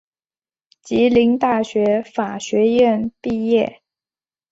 吉林大学法学院毕业。